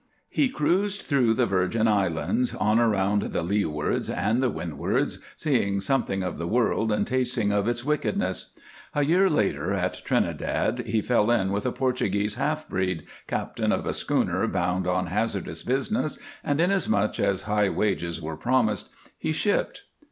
He cruised through the Virgin Islands, on around the Leewards and the Windwards, seeing something of the world and tasting of its wickedness. A year later, at Trinidad, he fell in with a Portuguese half breed, captain of a schooner bound on hazardous business, and, inasmuch as high wages were promised, he shipped.